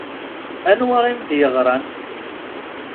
Anwa i m-d-yeɣṛan?